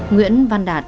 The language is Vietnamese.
nguyễn văn đạt